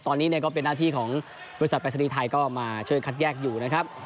ตอนนี้ก็เป็นหน้าที่ของบริษัทปรายศนีย์ไทยก็มาช่วยคัดแยกอยู่นะครับ